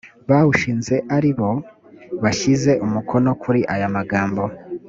bawushinze aribo bashyize umukono kuri ayamagambo